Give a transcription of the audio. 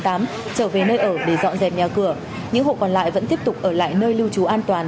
trở về nơi ở để dọn dẹp nhà cửa những hộ còn lại vẫn tiếp tục ở lại nơi lưu trú an toàn